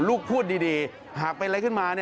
พูดดีหากเป็นอะไรขึ้นมา